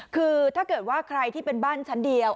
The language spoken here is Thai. คือถ้าเกิดว่าใครที่เป็นบ้านชั้นเดียว